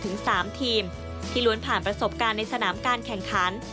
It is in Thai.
ถึง๓ทีมที่ล้วนผ่านประสบการณ์ในสนามการแข่งขัน